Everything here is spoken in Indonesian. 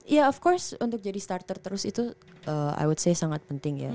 iya of course untuk jadi starter terus itu i would saya sangat penting ya